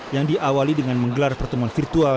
yang diawali dengan menggelar pertemuan virtual